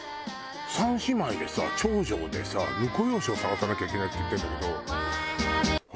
３姉妹でさ長女でさ婿養子を探さなきゃいけないって言ってるんだけど。